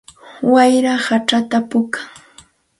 Wayra hachata puukan.